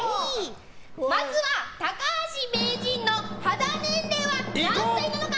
まずは、高橋名人の肌年齢は何歳なのか。